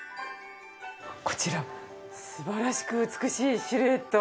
こちら素晴らしく美しいシルエット。